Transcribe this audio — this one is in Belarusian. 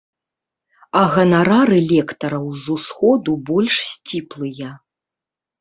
А ганарары лектараў з усходу больш сціплыя.